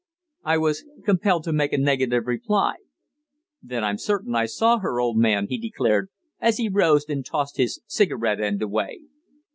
I was compelled to make a negative reply. "Then I'm certain I saw her, old man," he declared, as he rose and tossed his cigarette end away.